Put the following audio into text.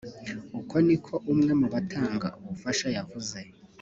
Uku ni ko umwe mu batanga ubufasha yavuze